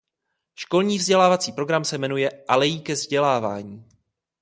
Školní vzdělávací program se jmenuje "Alejí ke vzdělání".